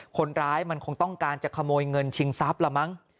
คนร้ายมันคงต้องการจะขโมยเงินชิงทรัพย์ละมั้ง